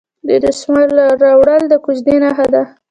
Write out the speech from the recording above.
د دسمال راوړل د کوژدې نښه ده.